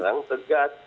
tidak bisa terpuruksan